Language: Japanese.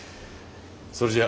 それじゃ。